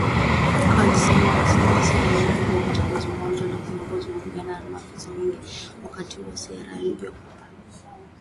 Eamon Gilmore alisema wasiwasi wa umoja huo katika mazungumzo na kiongozi wa Uganda na maafisa wengine wakati wa ziara yake mjini kampala.